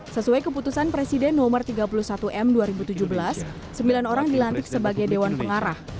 sesuai keputusan presiden nomor tiga puluh satu m dua ribu tujuh belas sembilan orang dilantik sebagai dewan pengarah